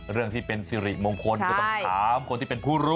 เรื่องที่เป็นสิริมงคลก็ต้องถามคนที่เป็นผู้รู้